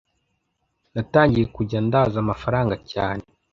natangiye kujya ndaza amafaranga cyane